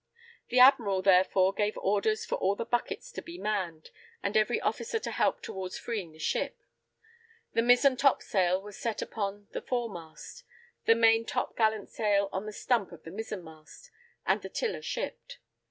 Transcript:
The admiral, therefore, gave orders for all the buckets to be manned, and every officer to help towards freeing the ship; the mizen top sail was set upon the fore mast, the main top gallant sail on the stump of the mizen mast, and the tiller shipped.